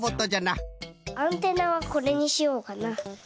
アンテナはこれにしようかな。